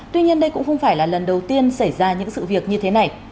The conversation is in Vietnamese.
tuy nhiên đây cũng không phải là lần đầu tiên xảy ra những sự việc như thế này